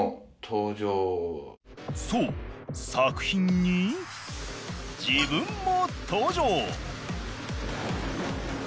そう作品に自分も登場！